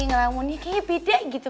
ngelamunnya kaya beda gitu